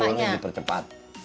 untuk si dul yang dipercepat